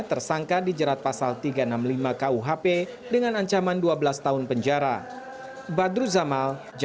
tersangka dijerat pasal tiga ratus enam puluh lima kuhp dengan ancaman dua belas tahun penjara